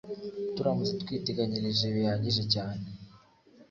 Turamutse twiteganyirije bihagije cyane